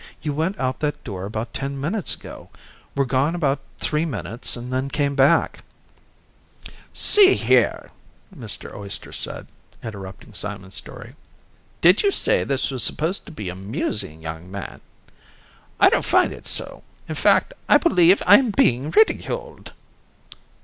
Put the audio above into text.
You went out that door about ten minutes ago, were gone about three minutes, and then came back." "See here," Mr. Oyster said (interrupting Simon's story), "did you say this was supposed to be amusing, young man? I don't find it so. In fact, I believe I am being ridiculed."